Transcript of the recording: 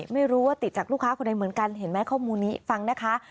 ไม่รู้ว่าติดจากลูกค้าคนไหนเหมือนกันเห็นไหมข้อมูลนี้ฟังนะคะ